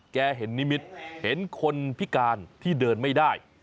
เห็นนิมิตรเห็นคนพิการที่เดินไม่ได้